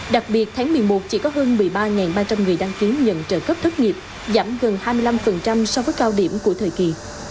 đặc biệt tháng một mươi một chỉ có hơn một mươi ba ba trăm linh người đăng ký nhận trợ cấp thất nghiệp giảm gần hai mươi năm so với cao điểm của thời kỳ